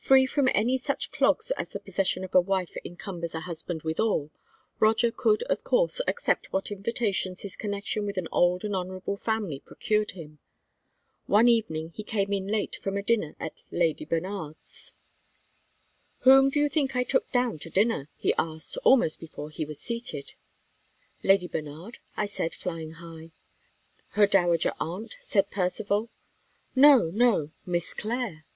Free from any such clogs as the possession of a wife encumbers a husband withal, Roger could of course accept what invitations his connection with an old and honorable family procured him. One evening he came in late from a dinner at Lady Bernard's. "Whom do you think I took down to dinner?" he asked, almost before he was seated. "Lady Bernard?" I said, flying high. "Her dowager aunt?" said Percivale. "No, no; Miss Clare."